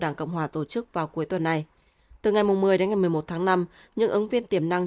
đảng cộng hòa tổ chức vào cuối tuần này từ ngày một mươi đến ngày một mươi một tháng năm những ứng viên tiềm năng